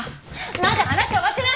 まだ話終わってない！